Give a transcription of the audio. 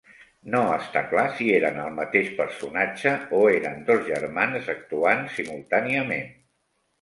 No està clar si eren el mateix personatge o eren dos germans actuant simultàniament.